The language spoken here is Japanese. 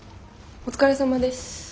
お疲れさまです。